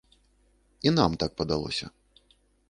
І нам так падалося.